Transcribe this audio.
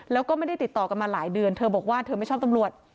แล้วก็ไม่ได้ติดต่อกันมาหลายเดือนเธอบอกว่าเธอไม่ชอบตำรวจ